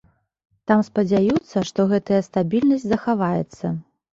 Там спадзяюцца, што гэтая стабільнасць захаваецца.